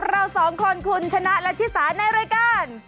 เร็วไอลีนอ๋อสวัสดีค่ะ